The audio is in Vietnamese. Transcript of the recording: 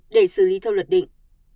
để xử lý theo luật định